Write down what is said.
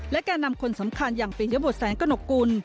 และแก่นำคนสำคัญอย่างปียบุตรแสงกระหนกกุล